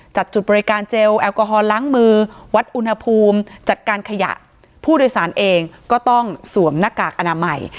จุดบริการเจลแอลกอฮอลล้างมือวัดอุณหภูมิจัดการขยะผู้โดยสารเองก็ต้องสวมหน้ากากอนามัย